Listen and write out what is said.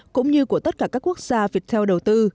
cũng như của tất cả các quốc gia việt theo đầu tư